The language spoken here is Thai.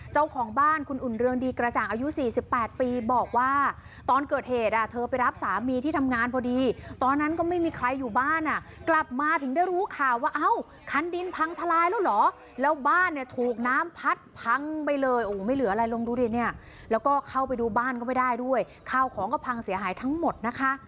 เจ้าของบ้านคุณอุ่นเรืองดีกระจ่างอายุ๔๘ปีบอกว่าตอนเกิดเหตุอ่ะเธอไปรับสามีที่ทำงานพอดีตอนนั้นก็ไม่มีใครอยู่บ้านอ่ะกลับมาถึงได้รู้ข่าวว่าเอ้าคันดินพังทลายแล้วเหรอแล้วบ้านเนี่ยถูกน้ำพัดพังไปเลยโอ้โหไม่เหลืออะไรลงดูดิเนี่ยแล้วก็เข้าไปดูบ้านก็ไม่ได้ด้วยข้าวของก็พังเสียหายทั้งหมดนะคะ